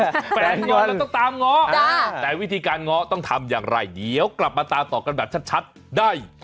แฟนงอนเราต้องตามง้อแต่วิธีการง้อต้องทำอย่างไรเดี๋ยวกลับมาตามต่อกันแบบชัดได้